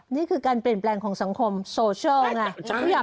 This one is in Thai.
นี่คือการเปลี่ยนแปลงของสังคมโซเชียลไง